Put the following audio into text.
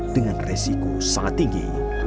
dengan resiko sangat tinggi